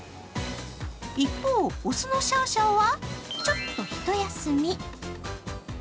一方、雄のシャオシャオはちょっとひと休み。